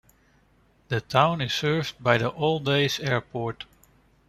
The town is served by the Alldays Airport.